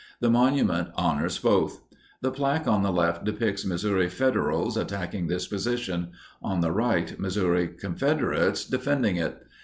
The monument honors both. The plaque on the left depicts Missouri Federals attacking this position; on the right, Missouri Confederates defending it.